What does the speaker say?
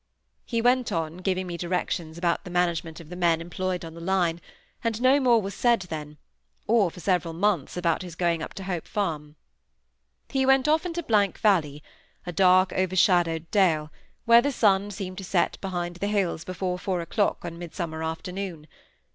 He went on giving me directions about the management of the men employed on the line, and no more was said then, or for several months, about his going to Hope Farm. He went off into —— Valley, a dark overshadowed dale, where the sun seemed to set behind the hills before four o"clock on midsummer afternoon.